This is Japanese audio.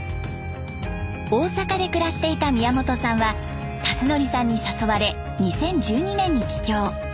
大阪で暮らしていた宮本さんは辰徳さんに誘われ２０１２年に帰郷。